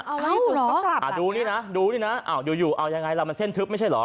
เอ้าเหรอดูนี่นะอยู่เอายังไงละมันเส้นทึบไม่ใช่เหรอ